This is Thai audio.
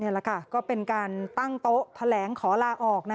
แหละค่ะก็เป็นการตั้งโต๊ะแถลงขอลาออก